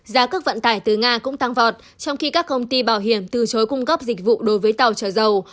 giá cước vận tải từ nga cũng tăng vọt trong khi các công ty bảo hiểm từ chối cung cấp dịch vụ đối với tàu chở dầu